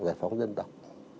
giải phóng dân tộc